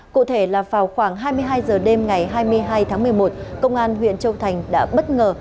cụ thể là vào khoảng hai mươi hai h đêm ngày hai mươi hai tháng một mươi một công an huyện châu thành đã bất ngờ